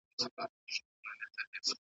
هم باتور د خپل اولس وي هم منظور د خپل اولس وي .